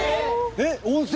えっ温泉？